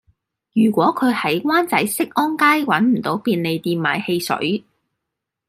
如果佢喺灣仔適安街搵唔到便利店買汽水